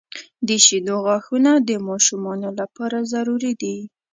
• د شیدو غاښونه د ماشومانو لپاره ضروري دي.